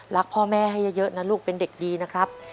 รักพ่อแม่ให้เยอะนะลูกเป็นเด็กดีนะครับ